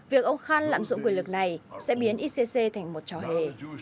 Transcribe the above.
việc ông khan lạm dụng quyền lực này sẽ biến icc thành một trò hề